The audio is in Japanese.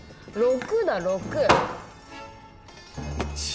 ６だ６！